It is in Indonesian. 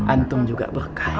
antum juga berkah